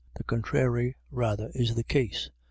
The contrary rather is the case.